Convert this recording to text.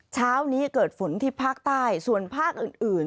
เช้านี้เกิดฝนที่ภาคใต้ส่วนภาคอื่น